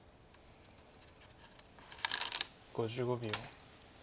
５５秒。